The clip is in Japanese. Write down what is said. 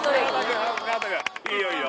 いいよいいよ